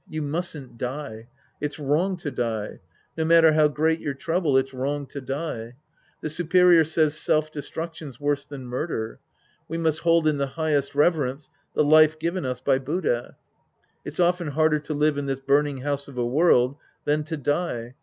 You mustn't die. It's wrong to die. No matter how great your trouble, it's wrong to die. The superior says self destruction's worse than murder. We must hold in the highest re verence the life given us by Buddha. It's often harder to live in this burning house of a world than to die.